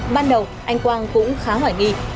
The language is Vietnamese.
ban đầu anh quang cũng khá hoài nghi